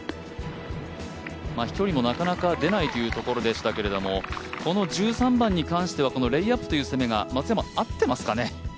飛距離もなかなか出ないというところでしたけどもこの１３番に関してはレイアップという攻めが松山合ってますかね。